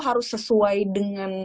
harus sesuai dengan